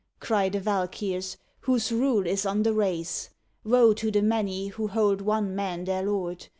cry the Valkyrs, "whose rule is on the race! Woe to the many, who hold one man their lord